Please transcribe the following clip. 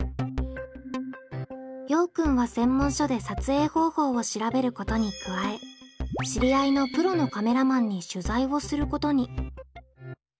ようくんは専門書で撮影方法を調べることに加え知り合いのプロのカメラマンに取材をすることに。